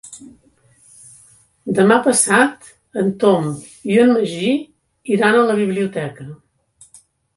Demà passat en Tom i en Magí iran a la biblioteca.